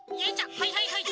はいはいはい。